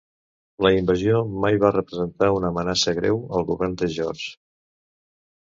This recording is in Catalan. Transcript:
La invasió mai va representar una amenaça greu al Govern de George.